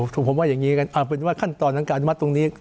ถูกผมว่าอย่างนี้กันเอาเป็นว่าขั้นตอนทางการอนุมัติตรงนี้